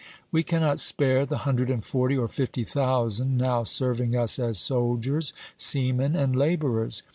We cannot spare the hundred and forty or fifty thousand now serving us as soldiers, seamen, and laborers.